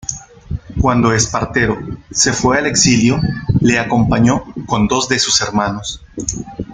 Cuando Espartero se fue al exilio le acompañó con dos de sus hermanos.